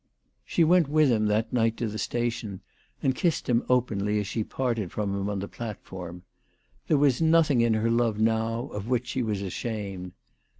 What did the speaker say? She went with him that night to the station, and kissed him openly as she parted from him on the plat form. There was nothing in her love now of which she was ashamed.